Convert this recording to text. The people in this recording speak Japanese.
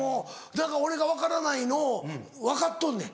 だから俺が分からないのを分かっとんねん。